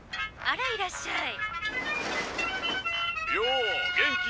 「あらいらっしゃい」。